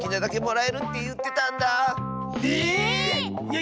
え？